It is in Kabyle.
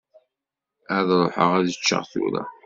Ad ruḥeɣ ad ččeɣ tura.